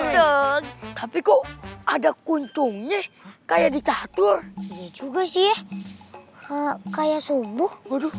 dong tapi kok ada kuncungnya kayak dicatur juga sih kayak sumbuh